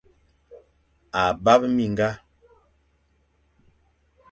A bap minga.